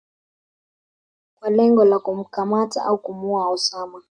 kwa lengo la kumkamata au kumuua Osama